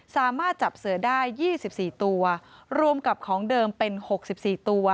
สามารถจับเสือได้๒๔ตัวรวมกับของเดิมเป็น๖๔ตัว